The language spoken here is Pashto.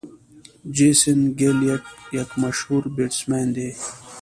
جیسن ګيل یک مشهور بيټسمېن دئ.